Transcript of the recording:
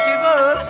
lut baik lupa baik